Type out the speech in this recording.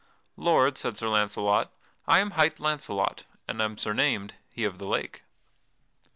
"Lord," said Sir Launcelot, "I am hight Launcelot, and am surnamed 'He of the Lake.'"